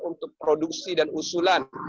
untuk produksi dan usulan